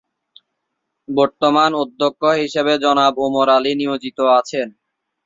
বর্তমানে অধ্যক্ষ হিসাবে জনাব ওমর আলী নিয়োজিত আছেন।